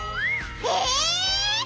え！？